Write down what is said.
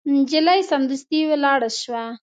نجلۍ سمدستي ولاړه شوه.